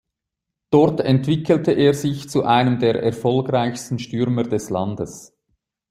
Dort entwickelte er sich zu einem der erfolgreichsten Stürmer des Landes.